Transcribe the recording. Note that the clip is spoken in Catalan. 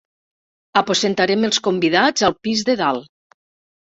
Aposentarem els convidats al pis de dalt.